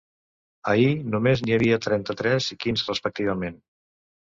Ahir només n’hi havia trenta-tres i quinze, respectivament.